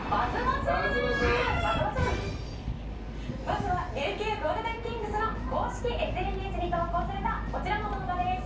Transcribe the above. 「まずは琉球ゴールデンキングスの公式ＳＮＳに投稿されたこちらの動画です」